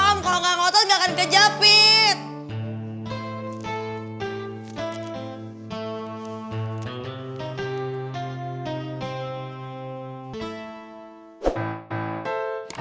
kalau gak ngotot gak akan keja fit